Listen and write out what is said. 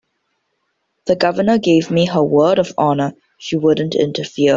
The Governor gave me her word of honor she wouldn't interfere.